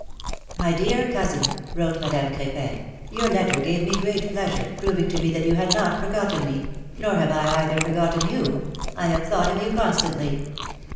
^^My dear cousin," wrote Madame Cr6pin, ^^your letter gave me great pleasure, proving to me that you had not forgotten me; nor have I either forgotten you — I have thought of you constantly.